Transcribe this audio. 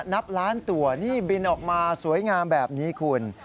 นับล้านตัวนี่บินออกมาสวยงามแบบนี้คุณ